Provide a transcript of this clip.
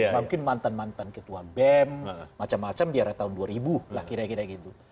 mungkin mantan mantan ketua bem macam macam di arah tahun dua ribu lah kira kira gitu